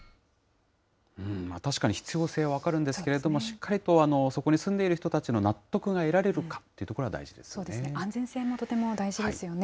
確かに必要性は分かるんですけれども、しっかりとそこに住んでいる人たちの納得が得られるかというとこそうですね、安全性もとても大事ですよね。